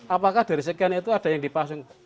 apakah dari sekian itu ada yang dipasung